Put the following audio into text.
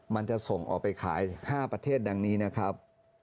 มันจะส่งออกไปขาย๕ประเทศดังนี้นะครับ